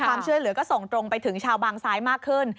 ความช่วยเหลือก็ส่งตรงไปถึงชาวบางซ้ายมากขึ้น